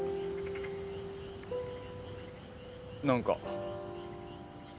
何か。